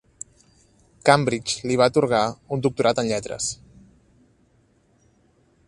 Cambridge li va atorgar un doctorat en lletres.